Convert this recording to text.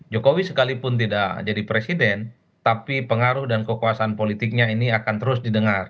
jokowi sekalipun tidak jadi presiden tapi pengaruh dan kekuasaan politiknya ini akan terus didengar